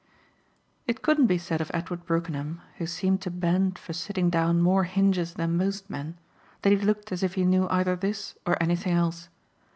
It couldn't be said of Edward Brookenham, who seemed to bend for sitting down more hinges than most men, that he looked as if he knew either this or anything else.